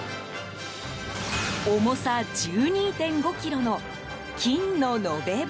重さ１２．５ｋｇの金の延べ棒。